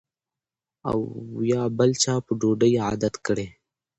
او یا بل چا په ډوډۍ عادت کړی